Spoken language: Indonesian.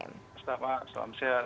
selamat selamat siang